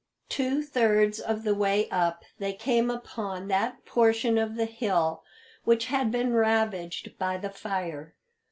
Two thirds of the way up they came upon that portion of the hill which had been ravaged by the fire.